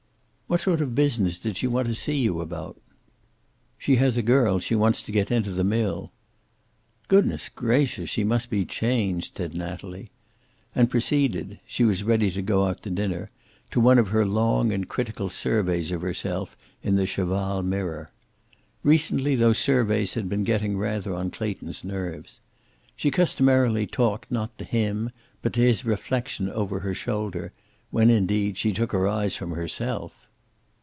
"What sort of business did she want to see you about?" "She has a girl she wants to get into the mill." "Good gracious, she must be changed," said Natalie. And proceeded she was ready to go out to dinner to one of her long and critical surveys of herself in the cheval mirror. Recently those surveys had been rather getting on Clayton's nerves. She customarily talked, not to him, but to his reflection over her shoulder, when, indeed, she took her eyes from herself.